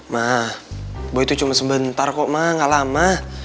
ma boy tuh cuma sebentar kok ma gak lama